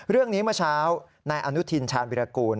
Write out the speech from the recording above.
เรื่องนี้เมื่อเช้าในอนุทินชาญวิรากูล